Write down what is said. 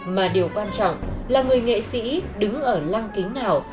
mà điều quan trọng là người nghệ sĩ đứng ở lăng kính nào